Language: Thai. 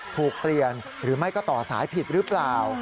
ถูกเปลี่ยนหรือไม่ก็ต่อสายผิดหรือเปล่า